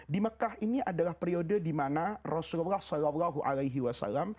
di mekah ini adalah periode di mana rasulullah saw